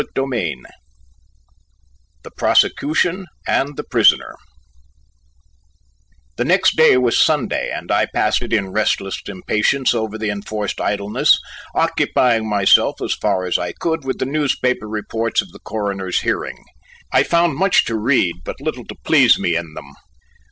CHAPTER VIII THE PROSECUTION AND THE PRISONER The next day was Sunday, and I passed it in restless impatience over the enforced idleness, occupying myself as far as I could with the newspaper reports of the Coroner's hearing. I found much to read, but little to please me in them.